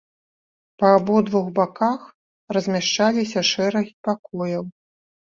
Па абодвух баках размяшчаліся шэрагі пакояў.